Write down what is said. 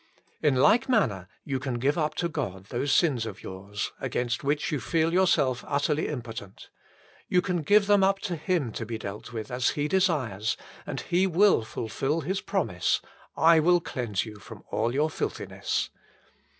In like manner you can give up to God those sins of yours, against which you feel yourself utterly impotent. You can give them up to Him to be dealt with as He desires and He will fulfil His promise :" I will cleanse you from all your filthiness."